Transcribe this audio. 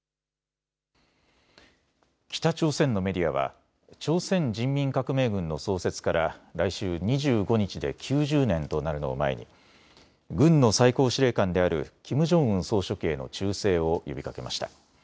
北朝鮮のメディアは朝鮮人民革命軍の創設から来週２５日で９０年となるのを前に軍の最高司令官であるキム・ジョンウン総書記への忠誠を呼びかけました。